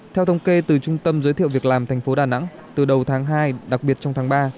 theo thông kê từ trung tâm giới thiệu việc làm tp đà nẵng từ đầu tháng hai đặc biệt trong tháng ba